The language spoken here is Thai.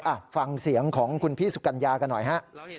อ่ะฟังเสียงของคุณพี่สุกัญญากันหน่อยฮะ